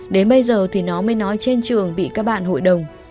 đến bây giờ thì nó mới nói trên trường bị các bạn hội đồng